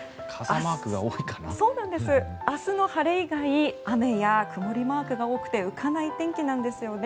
明日の晴れ以外雨や曇りマークが多くて浮かない天気なんですよね。